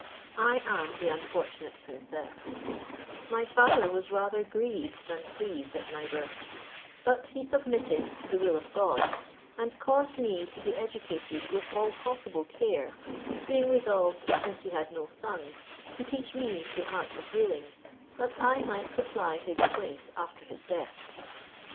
I am the unfortunate princess; my father was rather grieved than pleased at my birth; but he submitted to the will of God, and caused me to be educated with all possible care, being resolved, since he had no son, to teach me the art of ruling, that I might supply his place after his death.